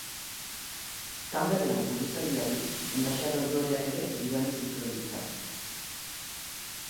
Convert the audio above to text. Tamerlan buruzagiari enbaxadoreak ere bidali zituen bitan.